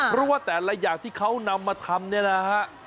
เพราะว่าแต่ละอย่างที่เขานำมาทำเนี่ยนะฮะ